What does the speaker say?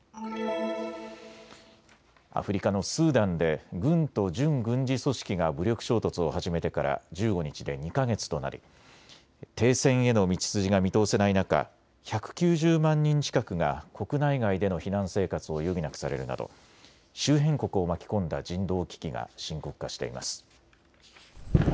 アフリカのスーダンで軍と準軍事組織が武力衝突を始めてから１５日で２か月となり停戦への道筋が見通せない中、１９０万人近くが国内外での避難生活を余儀なくされるなど周辺国を巻き込んだ人道危機が深刻化しています。